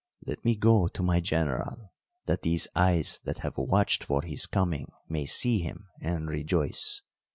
Let me go to my General, that these eyes that have watched for his coming may see him and rejoice.